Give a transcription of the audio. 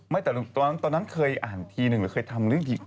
ตอนนั้นเคยอ่านทีนึงหรือเคยทำเรื่องที